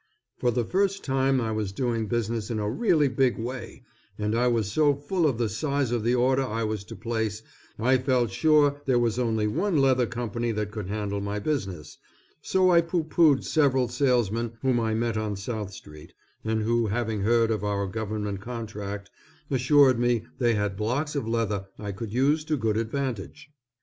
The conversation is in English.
For the first time I was doing business in a really big way, and I was so full of the size of the order I was to place, I felt sure there was only one leather company that could handle my business, so I pooh poohed several salesmen whom I met on South Street, and who having heard of our government contract assured me they had blocks of leather I could use to good advantage.